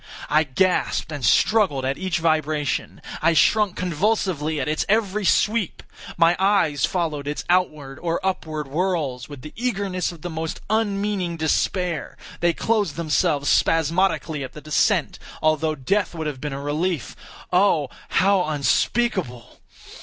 I gasped and struggled at each vibration. I shrunk convulsively at its every sweep. My eyes followed its outward or upward whirls with the eagerness of the most unmeaning despair; they closed themselves spasmodically at the descent, although death would have been a relief, oh, how unspeakable!